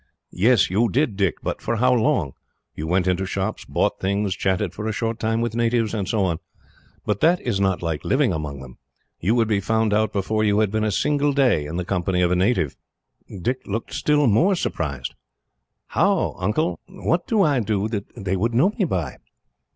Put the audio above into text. "Yes, you did, Dick; but for how long? You went into shops, bought things, chatted for a short time with natives, and so on; but that is not like living among them. You would be found out before you had been a single day in the company of a native." Dick looked still more surprised. "How, Uncle? What do I do that they would know me by."